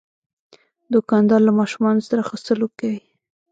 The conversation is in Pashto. دوکاندار له ماشومان سره ښه سلوک کوي.